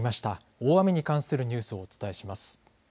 大雨に関するニュースをお伝えします。